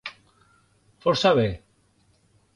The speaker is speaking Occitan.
Fòrça ben.